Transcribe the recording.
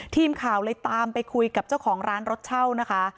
ทีมข่าวเลยตามไปคุยกับเจ้าของร้านรถเช่านะคะ